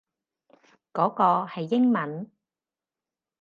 嗰個係英文